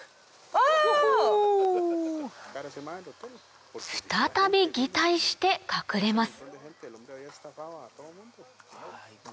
・ほほう・再び擬態して隠れます